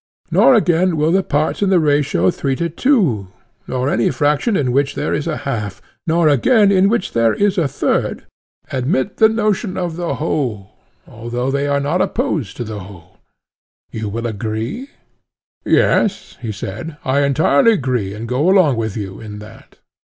Nor again will parts in the ratio 3:2, nor any fraction in which there is a half, nor again in which there is a third, admit the notion of the whole, although they are not opposed to the whole: You will agree? Yes, he said, I entirely agree and go along with you in that.